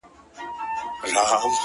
ډك د ميو جام مي د زړه ور مــات كړ ـ